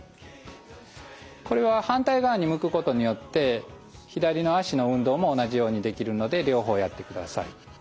これは反対側に向くことによって左の脚の運動も同じようにできるので両方やってください。